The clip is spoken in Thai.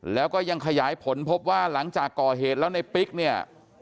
แล้วก็ยังขยายผลพบว่าหลังจากก่อเหตุแล้วในปิ๊กเนี่ย